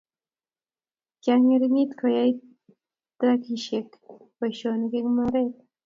kiang'erit koyai traktaisiek boisionik eng' maret